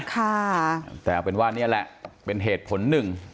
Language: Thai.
แต่เอาเป็นว่านี่แหละเป็นเหตุผลหนึ่ง